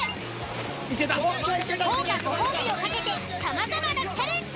［豪華ご褒美を懸けて様々なチャレンジ］